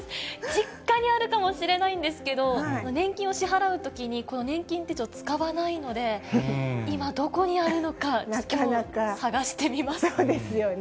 実家にあるかもしれないんですけど、年金を支払うときに、この年金手帳使わないので、今、どこにあるのか、そうですよね。